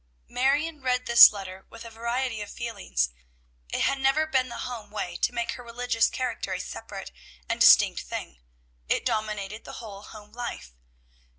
Marion read this letter with a variety of feelings. It had never been the home way to make her religious character a separate and distinct thing. It dominated the whole home life.